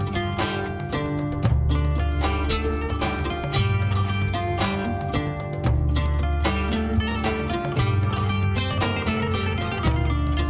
waalaikumsalam warahmatullahi wabarakatuh